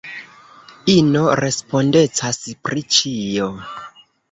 Ino respondecas pri ĉio.